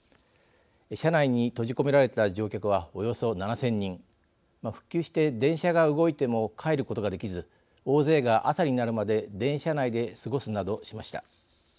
車内に閉じ込められた乗客はおよそ７０００人復旧して電車が動いても帰ることができず大勢が朝になるまで電車内で過ごすなどしました。